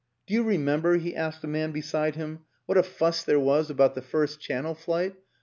" Do you remember," he asked a man beside him, " what a fuss there was about the first Channel flight?